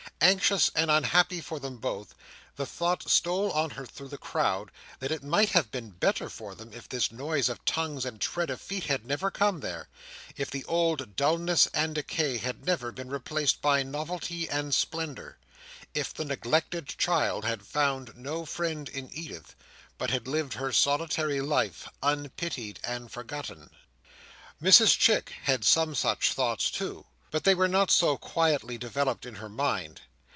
Anxious and unhappy for them both, the thought stole on her through the crowd, that it might have been better for them if this noise of tongues and tread of feet had never come there,—if the old dulness and decay had never been replaced by novelty and splendour,—if the neglected child had found no friend in Edith, but had lived her solitary life, unpitied and forgotten. Mrs Chick had some such thoughts too, but they were not so quietly developed in her mind.